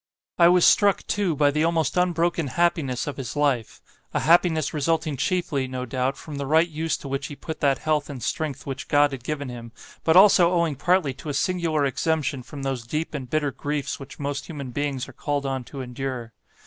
"I was struck, too, by the almost unbroken happiness of his life; a happiness resulting chiefly, no doubt, from the right use to which he put that health and strength which God had given him, but also owing partly to a singular exemption from those deep and bitter griefs which most human beings are called on to endure.